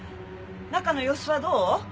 中の様子はどう？